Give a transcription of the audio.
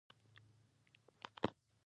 وېره.